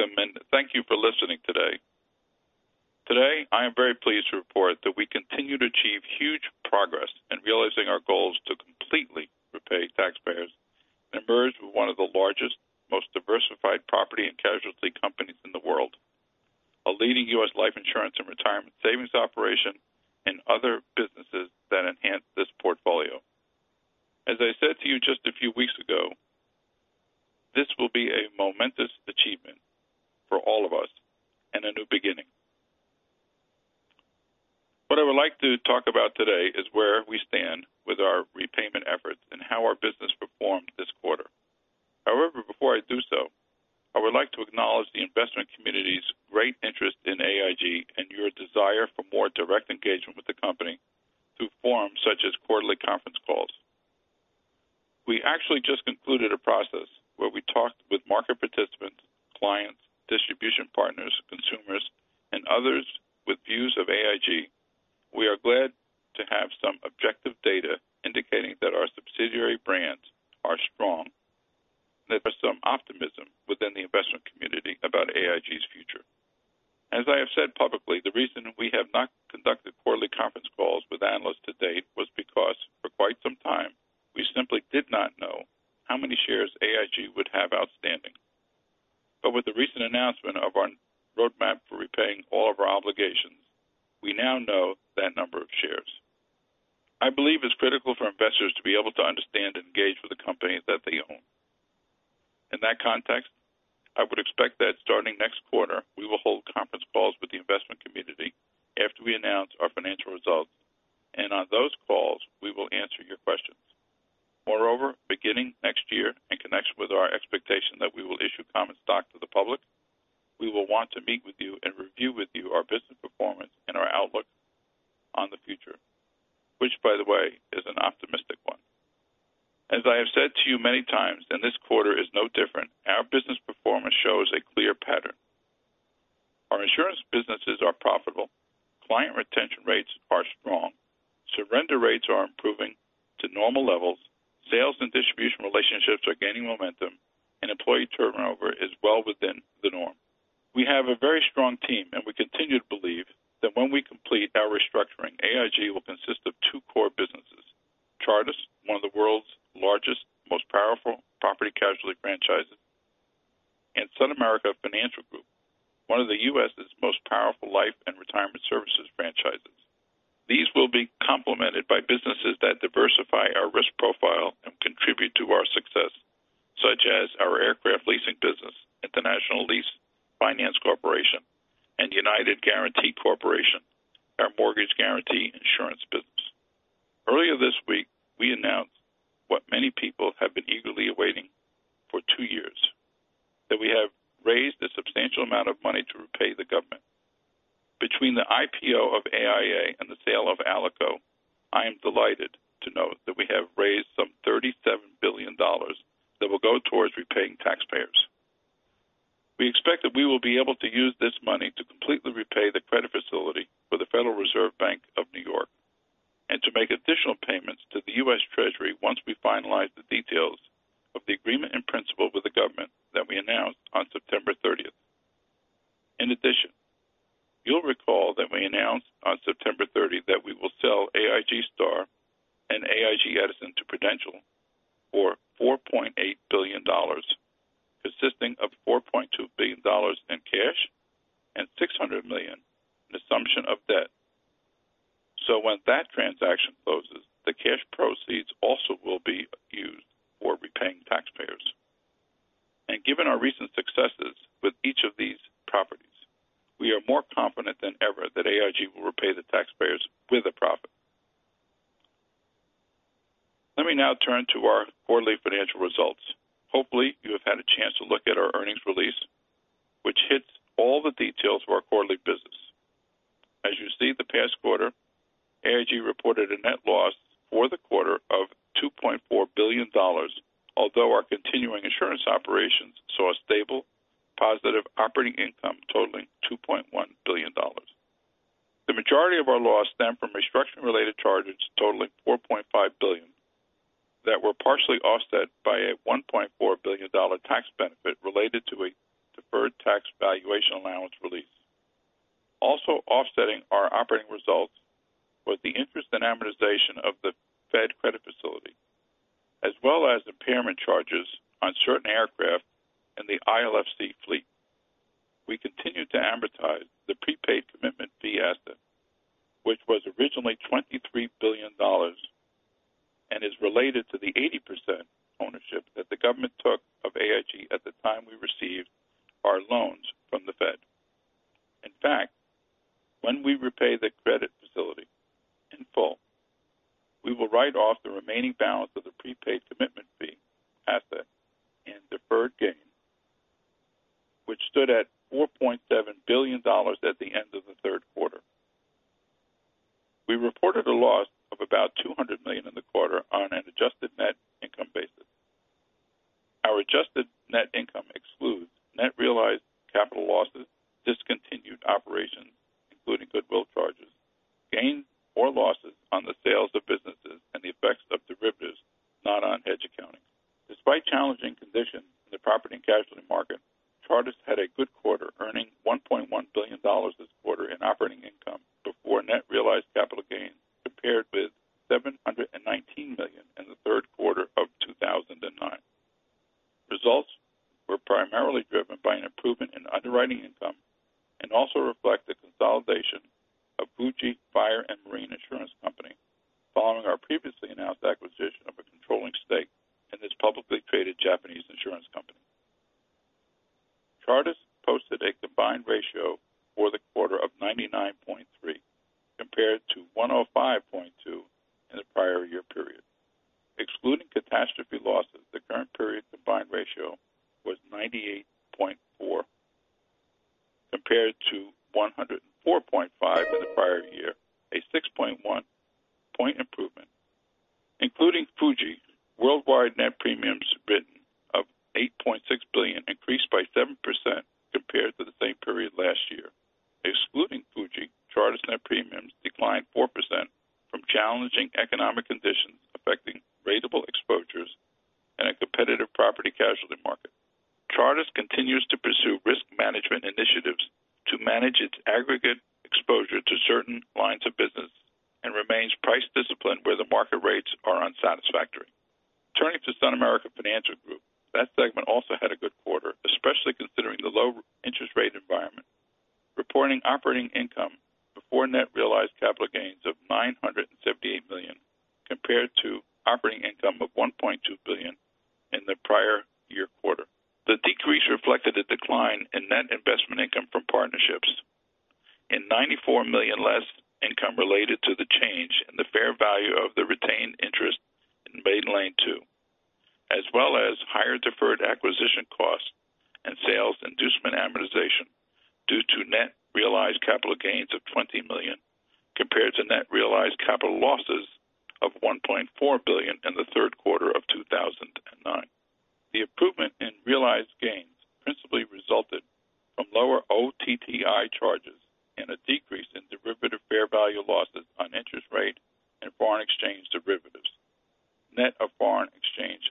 Welcome, and thank you for listening today. Today, I am very pleased to report that we continue to achieve huge progress in realizing our goals to completely repay taxpayers and emerge with one of the largest, most diversified property and casualty companies in the world, a leading U.S. life insurance and retirement savings operation, and other businesses that enhance this portfolio. As I said to you just a few weeks ago, this will be a momentous achievement for all of us and a new beginning. What I would like to talk about today is where we stand with our repayment efforts and how our business performed this quarter. However, before I do so, I would like to acknowledge the investment community's great interest in AIG and your desire for more direct engagement with the company through forums such as quarterly conference calls. We actually just concluded a process where we talked with market participants, clients, distribution partners, consumers, and others with views of AIG. We are glad to have some objective data indicating that our subsidiary brands are strong and there is some optimism within the investment community about AIG's future. As I have said publicly, the reason we have not conducted quarterly conference calls with analysts to date was because, for quite some time, we simply did not know how many shares AIG would have outstanding. With the recent announcement of our roadmap for repaying all of our obligations, we now know that number of shares. I believe it's critical for investors to be able to understand and engage with the company that they own. In that context, I would expect that starting next quarter, we will hold conference calls with the investment community after we announce our financial results, and on those calls, we will answer your questions. Moreover, beginning next year, in connection with our expectation that we will issue common stock to the public, we will want to meet with you and review with you our business performance and our outlook on the future, which, by the way, is an optimistic one. As I have said to you many times, and this quarter is no different, our business performance shows a clear pattern. Our insurance businesses are profitable. Client retention rates are strong. Surrender rates are improving to normal levels. Sales and distribution relationships are gaining momentum, and employee turnover is well within the norm. We have a very strong team, and we continue to believe that when we complete our restructuring, AIG will consist of two core businesses, Chartis, one of the world's largest, most powerful property casualty franchises, and SunAmerica Financial Group, one of the U.S.'s most powerful life and retirement services franchises. These will be complemented by businesses that diversify our risk profile and contribute to our success, such as our aircraft leasing business, International Lease Finance Corporation, and United Guaranty Corporation, our mortgage guarantee insurance business. Earlier this week, we announced what many people have been eagerly awaiting for two years, that we have raised a substantial amount of money to repay the government. Between the IPO of AIA and the sale of Alico, I am delighted to note that we have raised some $37 billion that will go towards repaying taxpayers. We expect that we will be able to use this money to completely repay the credit facility for the Federal Reserve Bank of New York and to make additional payments to the U.S. Treasury once we finalize the details of the agreement in principle with the government that we announced on September thirtieth. In addition, you'll recall that we announced on September thirtieth that we will sell AIG Star and AIG Edison to Prudential for $4.8 billion, consisting of $4.2 billion in cash and $600 million in assumption of debt. When that transaction closes, the cash proceeds also will be used for repaying taxpayers. Given our recent successes with each of these properties, we are more confident than ever that AIG will repay the taxpayers with a profit. Let me now turn to our quarterly financial results. Hopefully, you have had a chance to look at our earnings release, which hits all the details for our quarterly business. As you see, the past quarter, AIG reported a net loss for the quarter of $2.4 billion. Although our continuing insurance operations saw a stable positive operating income totaling $2.1 billion. The majority of our loss stemmed from restructuring related charges totaling $4.5 billion that were partially offset by a $1.4 billion tax benefit related to a deferred tax valuation allowance release. Also offsetting our operating results was the interest and amortization of the Fed credit facility, as well as impairment charges on certain aircraft in the ILFC fleet. We continued to amortize the prepaid commitment fee asset, which was originally $23 billion and is related to the 80% ownership that the government took of AIG at the time we received our loans from the Fed. In fact, when we repay the credit facility in full, we will write off the remaining balance of the prepaid commitment fee asset and deferred gain, which stood at $4.7 billion at the end of the third quarter. We reported a loss of about $200 million in the quarter on an adjusted net income basis. Our adjusted net income excludes net realized capital losses, discontinued operations, including goodwill charges, gains or losses on the sales of businesses, and the effects of derivatives accounting. Despite challenging conditions in the property and casualty market, Chartis had a good quarter, earning $1.1 billion this quarter in operating income before net realized capital gains, compared with $719 million in the third quarter of 2009. Results were primarily driven by an improvement in underwriting income and also reflect the consolidation of Fuji Fire and Marine Insurance Company following our previously announced acquisition of a controlling stake in this publicly traded Japanese insurance company. Chartis posted a combined ratio for the quarter of 99.3 compared to 105.2 in the prior year period. Excluding catastrophe losses, the current period combined ratio was 98.4 compared to 104.5 in the prior year, a 6.1 point improvement. Including Fuji, worldwide net premiums written of $8.6 billion increased by 7% compared to the same period last year. Excluding Fuji, Chartis net premiums declined 4% from challenging economic conditions affecting ratable exposures in a competitive property casualty market. Chartis continues to pursue risk management initiatives to manage its aggregate exposure to certain lines of business and remains price disciplined where the market rates are unsatisfactory. Turning to SunAmerica Financial Group, that segment also had a good quarter, especially considering the low interest rate environment, reporting operating income before net realized capital gains of $978 million compared to operating income of $1.2 billion in the prior year quarter. The decrease reflected a decline in net investment income from partnerships and $94 million less income related to the change in the fair value of the retained interest in Maiden Lane II, as well as higher deferred acquisition costs and sales inducement amortization due to net realized capital gains of $20 million compared to net realized capital losses of $1.4 billion in the third quarter of 2009. The improvement in realized gains principally resulted from lower OTTI charges and a decrease in derivative fair value losses on interest rate and foreign exchange derivatives, net of foreign exchange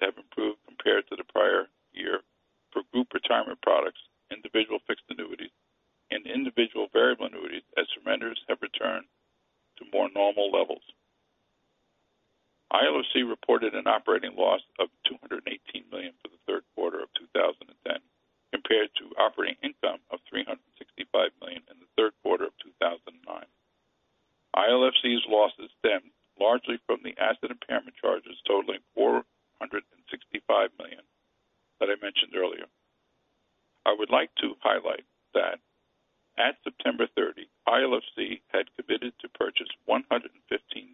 have improved compared to the prior year for group retirement products, individual fixed annuities, and individual variable annuities as surrenders have returned to more normal levels. ILFC reported an operating loss of $218 million for the third quarter of 2010, compared to operating income of $365 million in the third quarter of 2009. ILFC's losses stemmed largely from the asset impairment charges totaling $465 million that I mentioned earlier. I would like to highlight that at September 30, ILFC had committed to purchase 115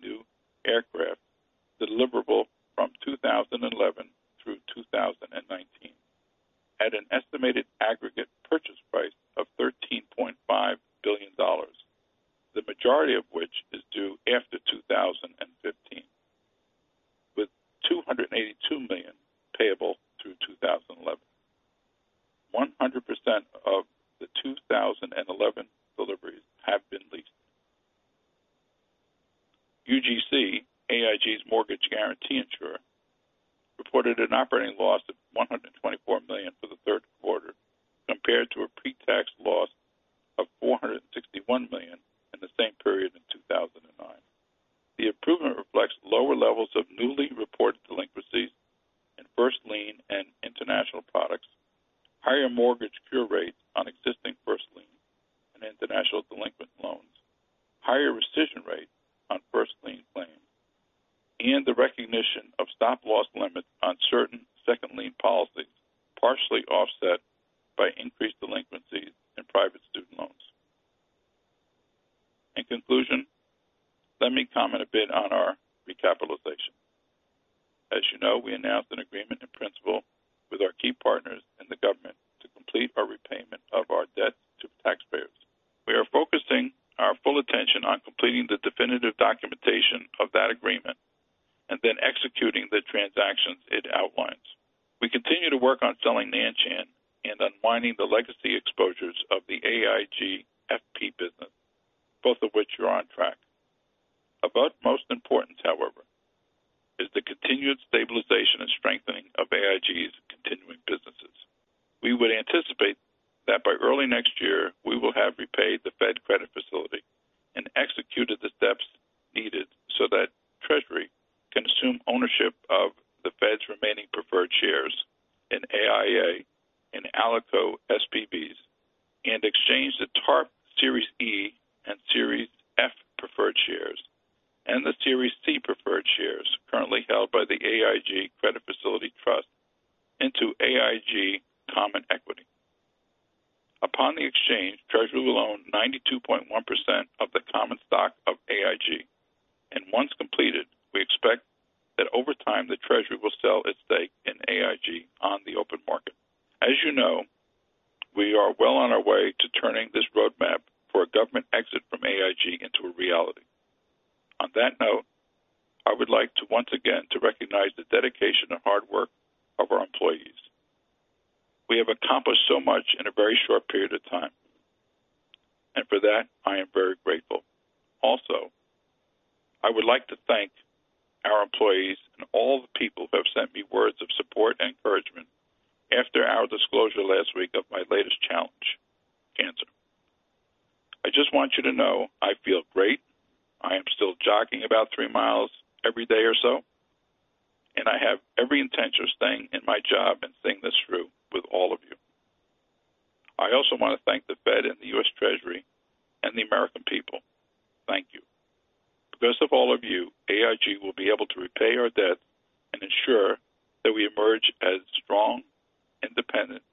new aircraft deliverable from 2011 through 2019 at an estimated aggregate purchase price of $13.5 billion, the majority of which is due after 2015, with $282 million payable through 2011. 100% of the 2011 deliveries have been leased. UGC, AIG's mortgage guarantee insurer, reported an operating loss of $124 million for the third quarter, compared to a pre-tax loss of $461 million in the same period in 2009. The improvement reflects lower levels of newly reported delinquencies in first lien and international products, higher mortgage cure rates on existing first lien and international delinquent loans, higher rescission rate on first lien claims, and the recognition of stop-loss limits on certain second lien policies, partially offset by increased delinquencies in private student loans. In conclusion, let me comment a bit on our recapitalization. As you know, we announced an agreement in principle with our key partners in the government to complete our repayment of our debt to taxpayers. We are focusing our full attention on completing the definitive documentation of that agreement and then executing the transactions it outlines. We continue to work on selling Nan Shan and unwinding the legacy exposures of the AIG FP business, both of which are on track. Of utmost importance, however, is the continued stabilization and strengthening of AIG's continuing businesses. We would anticipate that by early next year, we will have repaid the Fed credit facility and executed the steps needed so that Treasury can assume ownership of the Fed's remaining preferred shares in AIA and Alico SPVs and exchange the TARP Series E and Series F preferred shares and the Series C preferred shares currently held by the AIG Credit Facility Trust into AIG common equity. Upon the exchange, Treasury will own 92.1% of the common stock of AIG. Once completed, we expect that over time the Treasury will sell its stake in AIG on the open market. As you know, we are well on our way to turning this roadmap for a government exit from AIG into a reality. On that note, I would like to once again to recognize the dedication and hard work of our employees. We have accomplished so much in a very short period of time, and for that I am very grateful. Also, I would like to thank our employees and all the people who have sent me words of support and encouragement after our disclosure last week of my latest challenge, cancer. I just want you to know I feel great. I am still jogging about three miles every day or so, and I have every intention of staying in my job and seeing this through with all of you. I also want to thank the Fed and the U.S. Treasury and the American people. Thank you. Because of all of you, AIG will be able to repay our debt and ensure that we emerge as a strong, independent.